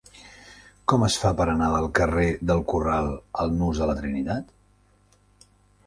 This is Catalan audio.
Com es fa per anar del carrer del Corral al nus de la Trinitat?